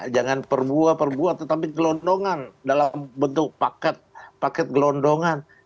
jangan perbuah perbuah tetapi gelondongan dalam bentuk paket gelondongan